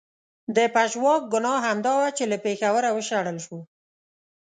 د پژواک ګناه همدا وه چې له پېښوره و شړل شو.